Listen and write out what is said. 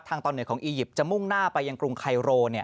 ตอนเหนือของอียิปต์จะมุ่งหน้าไปยังกรุงไคโร